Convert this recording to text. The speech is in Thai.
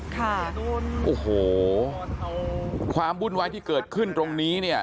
ค่ะโอ้โหความวุ่นวายที่เกิดขึ้นตรงนี้เนี่ย